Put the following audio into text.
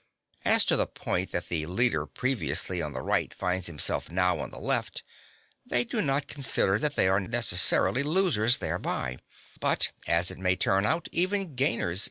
(18) As to the point that the leader previously on the right finds himself now on the left, (19) they do not consider that they are necessarily losers thereby, but, as it may turn out, even gainers.